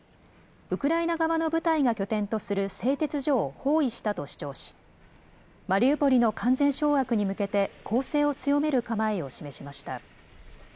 ウクライナ側の部隊が拠点とする製鉄所を包囲したと主張しマリウポリの完全掌握に向けて攻勢を強める構えを示しました。